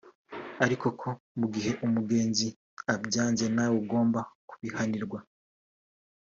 ariko ko mu gihe umugenzi abyanze nawe agomba kubihanirwa